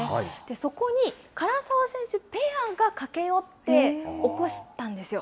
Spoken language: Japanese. そこに唐澤選手ペアが駆け寄って、起こしたんですよ。